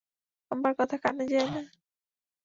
আমার কথা কানে যায় না?